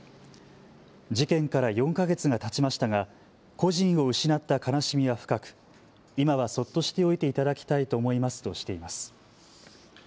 事件から４か月がたちましたが故人を失った悲しみは深く今はそっとしておいていただきたいと思いますとしています。